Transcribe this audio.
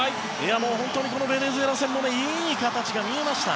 本当にベネズエラ戦もいい形が見えました。